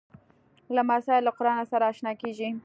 لمسی له قرآنه سره اشنا کېږي.